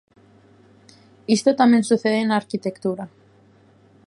Isto tamén sucede na arquitectura.